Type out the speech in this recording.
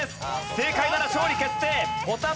正解なら勝利決定。